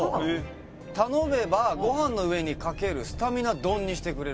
頼めばご飯の上にかけるスタミナ丼にしてくれるという。